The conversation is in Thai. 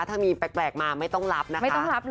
ถ้ามีแปลกมาไม่ต้องรับนะคะ